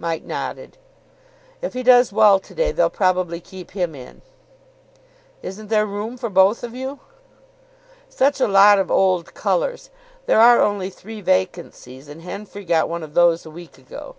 Mike nodded. "If he does well to day, they'll probably keep him in." "Isn't there room for both of you?" "Such a lot of old colours. There are only three vacancies, and Henfrey got one of those a week ago.